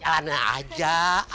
ya jalan aja